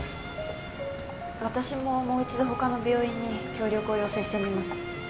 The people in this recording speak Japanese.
私ももう一度他の病院に協力を要請してみます。